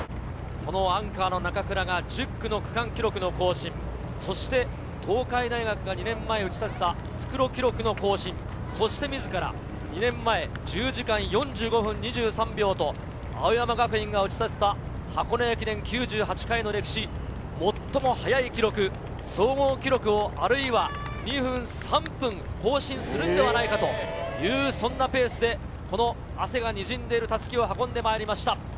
このアンカーの中倉が１０区の区間記録の更新、そして東海大学が２年前打ち立てた復路記録の更新、そしてみずから２年前、１０時間４５分２３秒と、青山学院が打ち立てた箱根駅伝９８回の歴史、最も速い記録、総合記録を、あるいは２分、３分更新するんではないかという、そんなペースで、この汗がにじんでいるたすきを運んでまいりました。